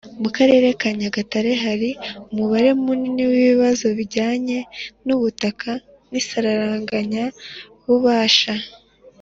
Mu Karere ka Nyagatare hari umubare munini w ibibazo bijyanye n ubutaka n isaranganya bubasha